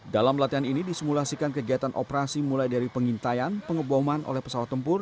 dalam latihan ini disimulasikan kegiatan operasi mulai dari pengintaian pengeboman oleh pesawat tempur